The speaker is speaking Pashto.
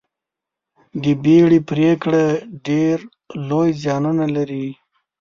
د بیړې پرېکړه ډېر لوی زیانونه لري.